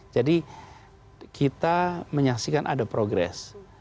jadi kita menyaksikan ada progress